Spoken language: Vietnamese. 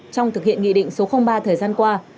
trong thực hiện nghị định số ba thời gian qua